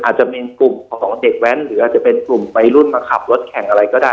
อาจจะมีกลุ่มของเด็กแว้นหรืออาจจะเป็นกลุ่มวัยรุ่นมาขับรถแข่งอะไรก็ได้